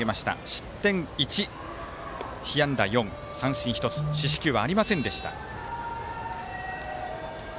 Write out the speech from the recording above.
失点１、被安打４、三振１つ四死球はありませんでした。